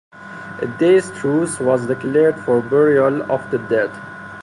A day's truce was declared for burial of the dead.